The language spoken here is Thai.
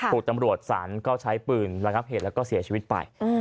ถูกตำรวจศาลก็ใช้ปืนระงับเหตุแล้วก็เสียชีวิตไป